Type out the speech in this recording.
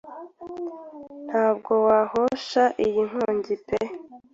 ntabwo wahosha iyi nkongi pe